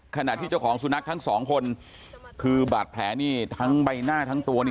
ขณะที่เจ้าของสุนัขทั้งสองคนคือบาดแผลนี่ทั้งใบหน้าทั้งตัว